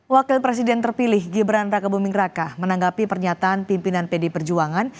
wakil presiden terpilih gibran raka buming raka menanggapi pernyataan pimpinan pdi perjuangan